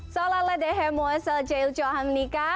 salal ledehemwe seljeul coan nika